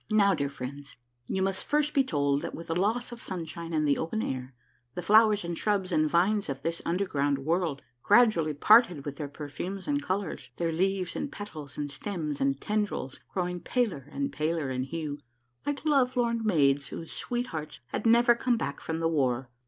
Now, dear friends, you must first be told that with the loss of sunshine and the open air, the flowers and shrubs and vines of this underground world gradually parted with their perfumes and colors, their leaves and petals and stems and tendrils grow ing paler and paler in hue, like lovelorn maids whose sweet hearts had never come back from the war.